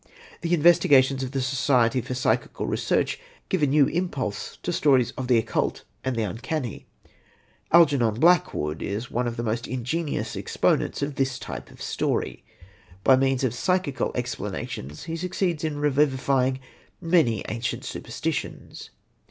The investigations of the Society for Psychical Research gave a new impulse to stories of the occult and the uncanny. Algernon Blackwood is one of the most ingenious exponents of this type of story. By means of psychical explanations, he succeeds in revivifying many ancient superstitions.